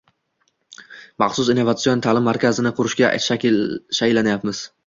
maxsus innovatsion ta’lim markazini qurishga shaylanyapmiz.